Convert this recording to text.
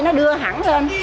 cây nó đưa hẳn lên